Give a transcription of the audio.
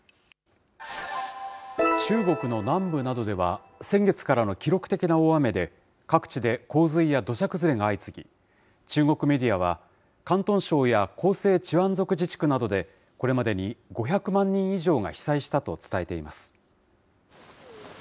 中国の南部などでは、先月からの記録的な大雨で、各地で洪水や土砂崩れが相次ぎ、中国メディアは、広東省や広西チワン族自治区などで、これまでに５００万人以上が被災したと伝えています。